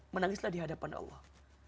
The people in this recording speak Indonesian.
menangislah di hadapan allah